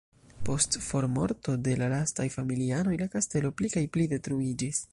Post formorto de la lastaj familianoj la kastelo pli kaj pli detruiĝis.